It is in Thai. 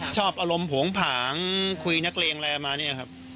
ชอบอารมณ์โผงผางคุยนักเลงอะไรมาเนี่ยครับ